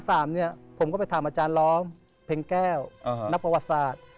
ตอนที่๕๓เนี่ยผมก็ไปถามอาจารย์ร้อมเพลงแก้วนักประวัติศาสตร์